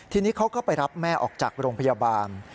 ทีนี้เขาก็ไปรับแม่ออกจากโรงพยาบาล